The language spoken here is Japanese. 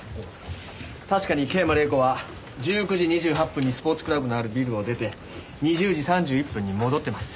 確かに桂馬麗子は１９時２８分にスポーツクラブのあるビルを出て２０時３１分に戻ってます。